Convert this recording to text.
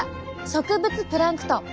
植物プランクトン！